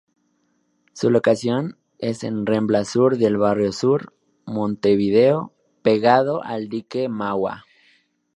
Se locación es en Rambla Sur del Barrio Sur, Montevideo; pegado al Dique Mauá.